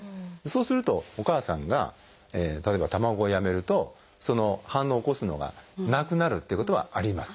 そうするとお母さんが例えば卵をやめるとその反応を起こすのがなくなるっていうことはあります。